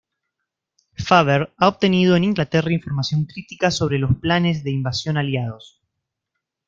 Faber ha obtenido en Inglaterra información crítica sobre los planes de invasión aliados.